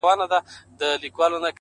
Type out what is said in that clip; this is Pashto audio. هغې ويل ه ځه درځه چي کلي ته ځو _